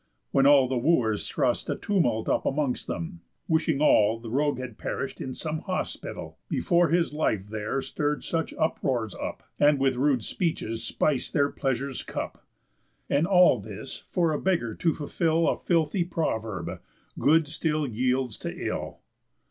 When all the Wooers thrust A tumult up amongst them, wishing all The rogue had perish'd in some hospital, Before his life there stirr'd such uproars up, And with rude speeches spice their pleasures' cup. And all this for a beggar to fulfill A filthy proverb: _Good still yields to ill.